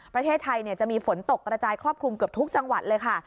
ประเทศไทยจะมีฝนตกกระจายครอบคลุมเกือบทุกจังหวัดเลยค่ะ